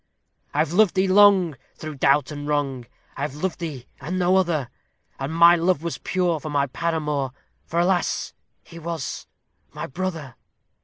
"I've loved thee long, through doubt and wrong; I've loved thee and no other; And my love was pure for my paramour, for alas! he was my brother!